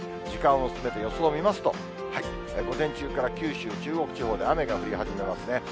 時間を進めて予想を見ますと、午前中から九州、中国地方で雨が降り始めますね。